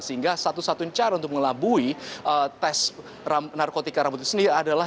sehingga satu satunya cara untuk mengelabui tes narkotika rambut itu sendiri adalah